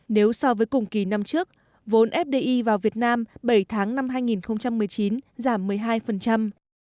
nếu so với cùng kỳ năm trước vốn fdi vào việt nam bảy tháng năm hai nghìn một mươi chín giảm một mươi hai